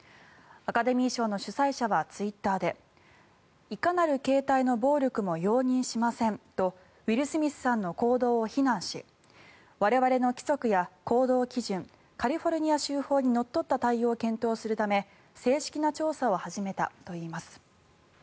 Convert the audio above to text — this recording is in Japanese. アカデミー賞の主催者はツイッターでいかなる形態の暴力も容認しませんとウィル・スミスさんの行動を非難し我々の規則や行動基準カリフォルニア州法にのっとった対応を検討するため正式な調査を始めたといいます。